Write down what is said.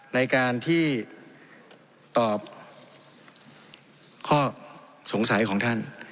ในการที่ตอบข้อสงสัยของท่าน